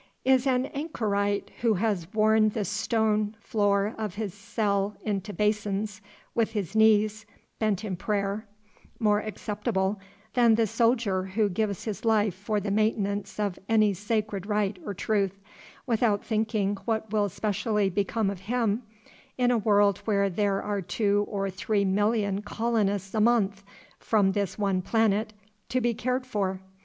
Is an anchorite who has worn the stone floor of his cell into basins with his knees bent in prayer, more acceptable than the soldier who gives his life for the maintenance of any sacred right or truth, without thinking what will specially become of him in a world where there are two or three million colonists a month, from this one planet, to be cared for?